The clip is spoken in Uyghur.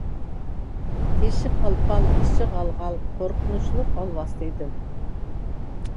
تېشى پال-پال، ئىچى غال-غال قورقۇنچلۇق ئالۋاستى ئىدىم.